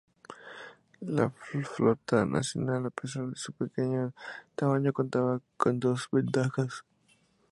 La flota "nacional" a pesar de su pequeño tamaño contaba con dos ventajas.